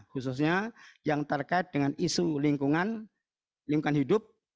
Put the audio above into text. khususnya yang terkait dengan isu lingkungan lingkungan hidup